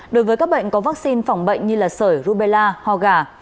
đối với các bệnh có vaccine phòng bệnh như sởi rubella ho gà